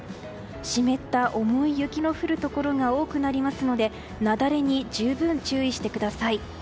湿った重い雪の降るところが多くなりますので雪崩に十分注意してください。